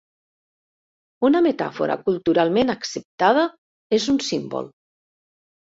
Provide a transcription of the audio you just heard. Una metàfora culturalment acceptada és un símbol.